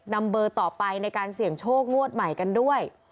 เบอร์ต่อไปในการเสี่ยงโชคงวดใหม่กันด้วย